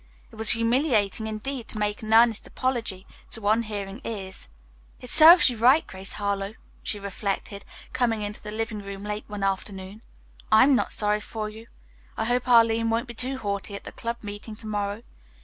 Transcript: It was humiliating indeed to make an earnest apology to unhearing ears. "It serves you right, Grace Harlowe," she reflected, coming into the living room late one afternoon. "I'm not sorry for you. I hope Arline won't be too haughty at the club meeting to morrow.